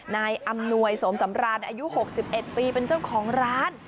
นายอำนวยสมสำราญอายุ๖๑ปีเป็นเจ้าของร้าน